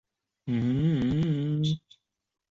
灰湾子岩画的历史年代为待考。